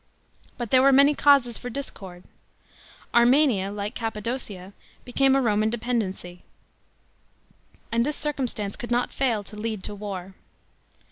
But there were many causes for discord. Armenia, like Cappadocia, became a Roman dependency ; and this circumstance could not fail to lead to war.